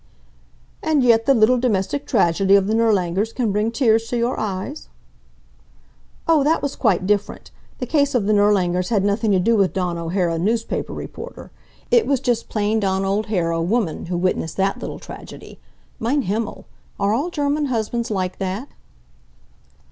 "And yet the little domestic tragedy of the Nirlangers can bring tears to your eyes?" "Oh, that was quite different. The case of the Nirlangers had nothing to do with Dawn O'Hara, newspaper reporter. It was just plain Dawn O'Hara, woman, who witnessed that little tragedy. Mein Himmel! Are all German husbands like that?"